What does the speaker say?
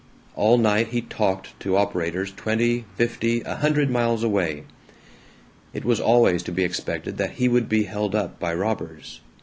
All night he "talked" to operators twenty, fifty, a hundred miles away. It was always to be expected that he would be held up by robbers.